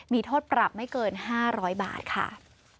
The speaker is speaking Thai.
มีโทษปรับไม่เกิน๕๐๐บาทค่ะ